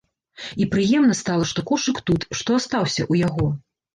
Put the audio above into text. І прыемна стала, што кошык тут, што астаўся ў яго.